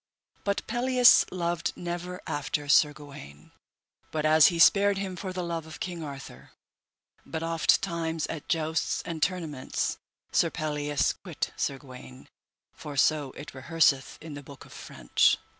But Pelleas loved never after Sir Gawaine, but as he spared him for the love of King Arthur; but ofttimes at jousts and tournaments Sir Pelleas quit Sir Gawaine, for so it rehearseth in the book of French.